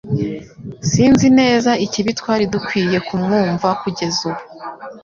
Sinzi neza ikibi Twari dukwiye kumwumva kugeza ubu